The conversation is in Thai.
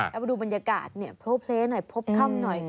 แล้วไปดูบรรยากาศเนี่ยโพลเพลย์หน่อยพบค่ำหน่อย